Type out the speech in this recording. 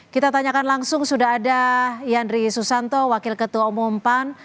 kita tanyakan langsung sudah ada yandri susanto wakil ketua umum pan